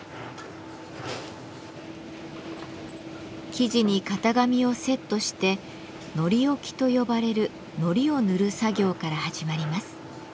生地に型紙をセットして「糊おき」と呼ばれる糊を塗る作業から始まります。